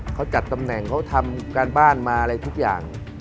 เขาจัดตำแหน่งเขาทำการบ้านมาอะไรทุกอย่าง